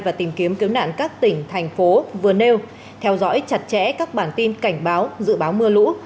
và tìm kiếm cứu nạn các tỉnh thành phố vừa nêu theo dõi chặt chẽ các bản tin cảnh báo dự báo mưa lũ